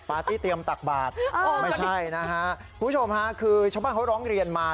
ที่เตรียมตักบาทไม่ใช่นะฮะคุณผู้ชมฮะคือชาวบ้านเขาร้องเรียนมา